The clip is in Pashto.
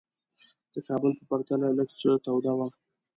د کابل په پرتله لږ څه توده وه.